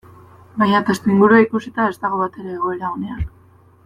Baina testuingurua ikusita ez dago batere egoera onean.